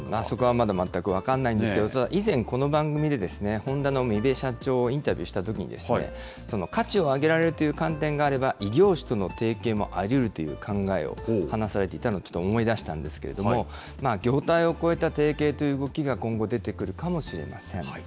そこはまだ、全く分からないんですけど、ただ以前、この番組で、ホンダの三部社長をインタビューしたときに、価値を上げられるという観点があれば、異業種との提携もありうるという考えを話されていたのをちょっと、思い出したんですけれども、業態を越えた提携という動きが今後出てくるかもしれません。